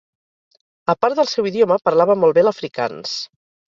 A part del seu idioma parlava molt bé l'afrikaans.